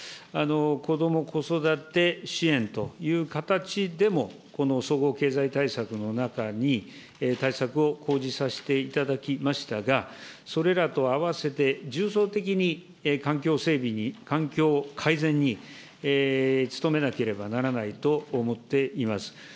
子ども子育て支援という形でも、この総合経済対策の中に対策を講じさせていただきましたが、それらと合わせて重層的に環境整備に、環境改善に努めなければならないと思っています。